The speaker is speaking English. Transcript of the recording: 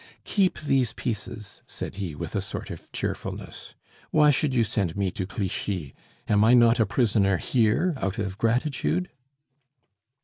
"Keep these pieces," said he with a sort of cheerfulness. "Why should you send me to Clichy? Am I not a prisoner here out of gratitude?"